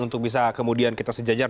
untuk bisa kemudian kita sejajar